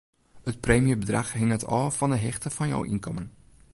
It preemjebedrach hinget ôf fan 'e hichte fan jo ynkommen.